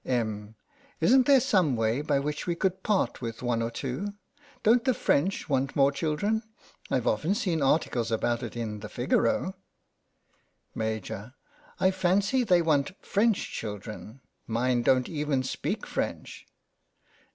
Em,: Isn't there some way by which we could part with one or two? Don't the French want more children? I've often seen articles about it in the Figaro, Maj. : I fancy they want French children. Mine don't even speak French.